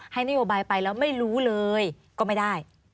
นโยบายไปแล้วไม่รู้เลยก็ไม่ได้